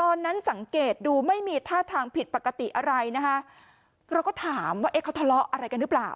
ตอนนั้นสังเกตดูไม่มีท่าทางผิดปกติอะไรนะคะเราก็ถามว่าเขาทะเลาะอะไรกันหรือเปล่า